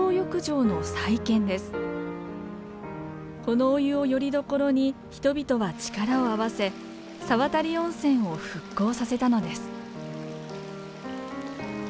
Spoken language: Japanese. このお湯をよりどころに人々は力を合わせ沢渡温泉を復興させたのです。